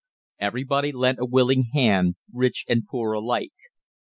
Everybody lent a willing hand, rich and poor alike.